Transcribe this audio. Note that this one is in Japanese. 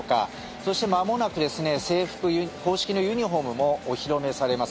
そして、まもなく公式のユニホームもお披露目されます。